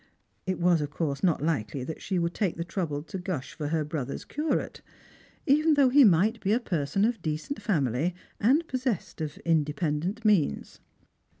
It wai of course not likely she would take the trouble to guall 66 Strangers and Pilf/rims. for her brother's curate, even though he might be a person ol decent family, and possessed of independent means.